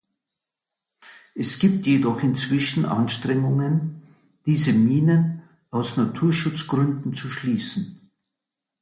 Es gibt jedoch inzwischen Anstrengungen, diese Minen aus Naturschutzgründen zu schließen.